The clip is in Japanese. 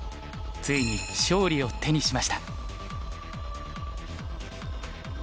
ついに勝利を手にしました。